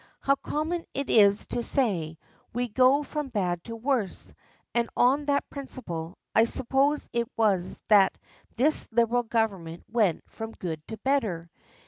How common it is to say, we go from bad to worse, and on that principle I suppose it was that this Liberal Government went from good to better.